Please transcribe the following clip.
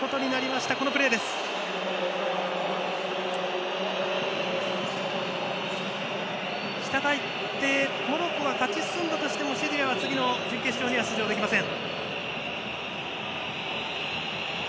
したがってモロッコが勝ち進んだとしてもシェディラは、次の準決勝には出場できません。